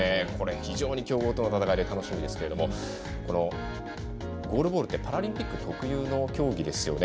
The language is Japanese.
非常に強豪との戦いで楽しみですがゴールボールってパラリンピック特有の競技ですよね。